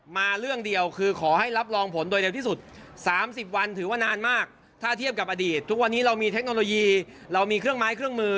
เทียบกับอดีตทุกวันนี้เรามีเทคโนโลยีเรามีเครื่องไม้เครื่องมือ